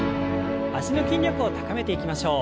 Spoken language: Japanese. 脚の筋力を高めていきましょう。